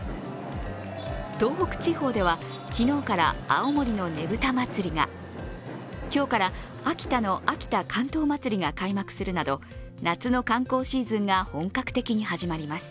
東北地方では昨日から青森のねぶた祭が今日から、秋田の秋田竿燈まつりが開幕するなど夏の観光シーズンが本格的に始まります。